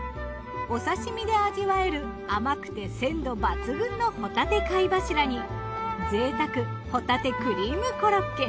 お刺身で味わえる甘くて鮮度抜群のホタテ貝柱に贅沢ホタテクリームコロッケ。